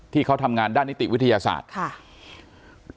ที่เขาทำงานด้านนิติวิทยาศาสตร์